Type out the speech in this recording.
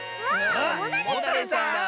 モタレイさん！